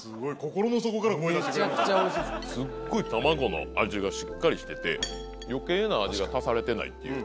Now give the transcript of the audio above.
すっごい玉子の味がしっかりしてて余計な味が足されてないっていう。